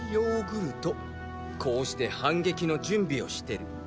こうして反撃の準備をしてる。